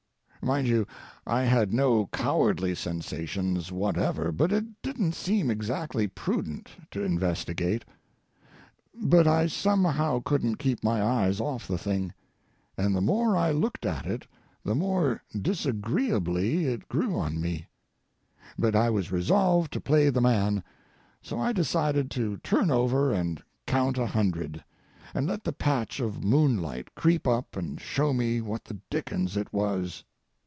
Mind you, I had no cowardly sensations whatever, but it didn't seem exactly prudent to investigate. But I somehow couldn't keep my eyes off the thing. And the more I looked at it the more disagreeably it grew on me. But I was resolved to play the man. So I decided to turn over and count a hundred, and let the patch of moonlight creep up and show me what the dickens it was.